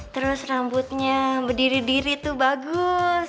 terus rambutnya berdiri diri tuh bagus